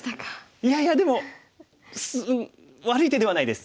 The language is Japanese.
いやいやでも悪い手ではないです。